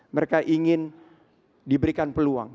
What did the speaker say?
mereka ingin diberikan peluang